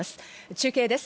中継です。